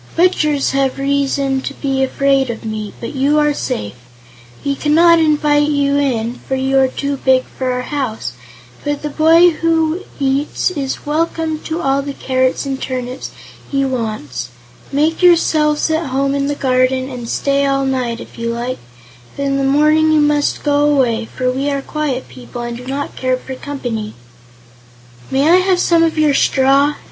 Butchers have reason to be afraid of me, but you are safe. We cannot invite you in, for you are too big for our house, but the boy who eats is welcome to all the carrots and turnips he wants. Make yourselves at home in the garden and stay all night, if you like; but in the morning you must go away, for we are quiet people and do not care for company." "May I have some of your straw?"